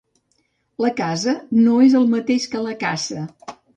La casa no és el mateix que la caça